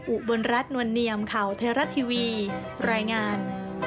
อุบลรัฐนวลเนียมข่าวไทยรัฐทีวีรายงาน